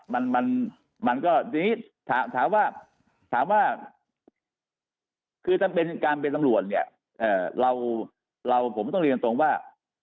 ทีนี้ถามว่าคือการเป็นตำรวจเนี่ยเราผมต้องเรียนตรงว่า